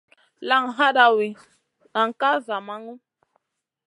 Laŋ hadawi, nan ka zamaŋu.